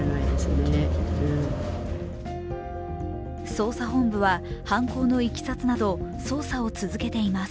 捜査本部は犯行のいきさつなど捜査を続けています。